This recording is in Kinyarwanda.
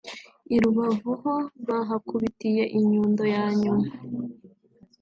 i Rubavu ho bahakubitiye inyundo ya nyuma